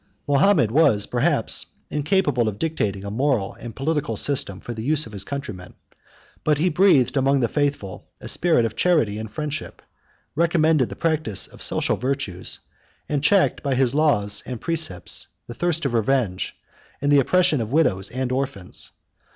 Mahomet was, perhaps, incapable of dictating a moral and political system for the use of his countrymen: but he breathed among the faithful a spirit of charity and friendship; recommended the practice of the social virtues; and checked, by his laws and precepts, the thirst of revenge, and the oppression of widows and orphans.